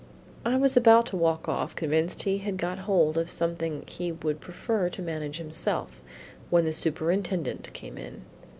I was about to walk off, convinced he had got hold of something he would prefer to manage himself, when the Superintendent came in.